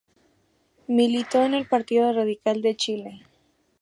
Militó en el Partido Radical de Chile.